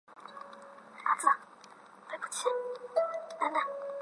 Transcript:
官至都御史。